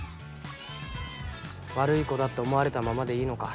悪い子だって思われたままでいいのか？